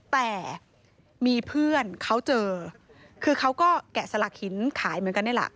แต่มีเพื่อนเขาเจอคือเขาก็แกะสลักหินขายเหมือนกันนี่แหละ